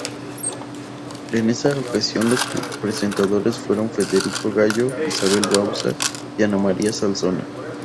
En esta ocasión los presentadores fueron Federico Gallo, Isabel Bauzá y Ana María Solsona.